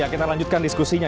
ya kita lanjutkan diskusinya